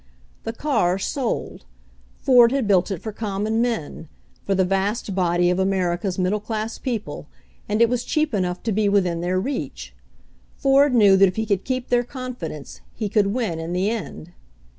The car sold. Ford had built it for common men, for the vast body of America's middle class people, and it was cheap enough to be within their reach. Ford knew that if he could keep their confidence he could win in the end.